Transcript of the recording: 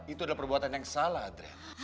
itu adalah perbuatan yang salah adrian